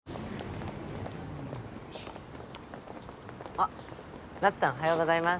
あっ夏さんおはようございます。